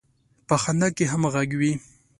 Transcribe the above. په خندا کې هم غږ وي.